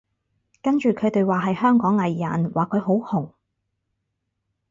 跟住佢哋話係香港藝人，話佢好紅